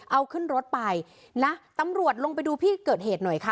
เอาขึ้นรถไปนะตำรวจลงไปดูที่เกิดเหตุหน่อยค่ะ